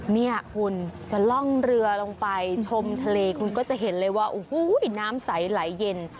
เนี่ยคุณจะล่องเรือลงไปชมทะเลคุณก็จะเห็นเลยว่าโอ้โหน้ำใสไหลเย็น